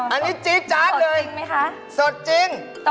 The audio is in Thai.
อันนี้จี๊จาร์ดเลยสดจริงสดจริงไหมคะ